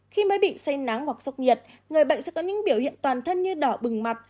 khi mới bị say nắng hoặc sốc nhiệt người bệnh sẽ có những biểu hiện toàn thân như đỏ bừng mặt